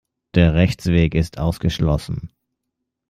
Der Rechtsweg ist ausgeschlossen.